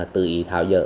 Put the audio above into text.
tự ý tháo dỡ